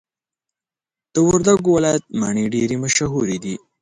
د وردګو ولایت مڼي ډیري مشهور دي.